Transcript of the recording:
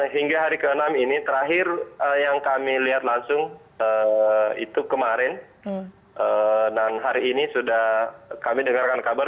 hingga hari ke enam ini terakhir yang kami lihat langsung itu kemarin dan hari ini sudah kami dengarkan kabar